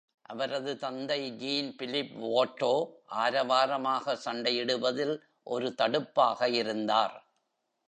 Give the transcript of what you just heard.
அவரது தந்தை, ஜீன்-பிலிப் வாட்டோ, ஆரவாரமாக சண்டையிடுவதில் ஒரு தடுப்பாக இருந்தார்.